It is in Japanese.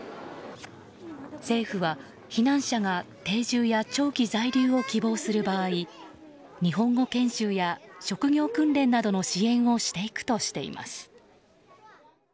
政府は避難者が定住や長期在留を希望する場合、日本語研修や職業訓練などの支援をしていくとしています。